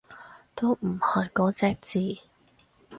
都唔係嗰隻字